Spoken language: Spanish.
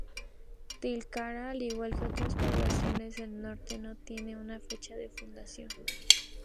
Tilcara, al igual que otras poblaciones del norte, no tiene una fecha de fundación.